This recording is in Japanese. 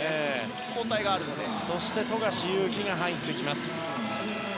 そして富樫勇樹が入ってきます。